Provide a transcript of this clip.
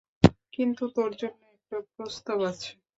কিন্তু তোর জন্য একটা প্রস্তাব আছে।